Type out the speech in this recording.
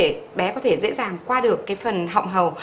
và nếu mà bé có thể dễ dàng qua được cái phần họng hầu